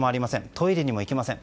トイレにも行けません。